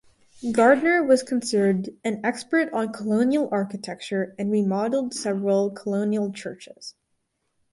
Gardner was considered an expert on Colonial architecture and remodeled several Colonial churches.